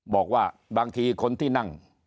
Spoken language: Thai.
บอกว่าบางทีคนที่นั่ง